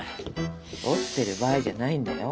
折ってる場合じゃないんだよ。